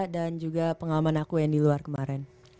dan juga pengalaman aku yang di luar kemarin